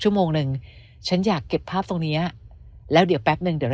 ชั่วโมงหนึ่งฉันอยากเก็บภาพตรงเนี้ยแล้วเดี๋ยวแป๊บนึงเดี๋ยวเรา